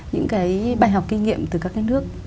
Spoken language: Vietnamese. những cái bài học kinh nghiệm từ các nước